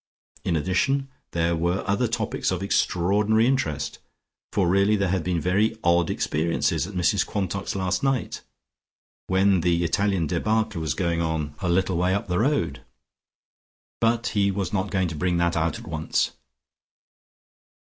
In addition there were other topics of extraordinary interest, for really there had been very odd experiences at Mrs Quantock's last night, when the Italian debacle was going on, a little way up the road. But he was not going to bring that out at once.